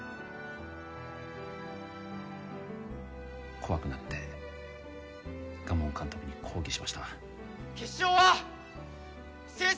怖くなって賀門監督に抗議しました決勝は正々堂々と